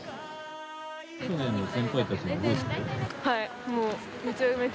はい！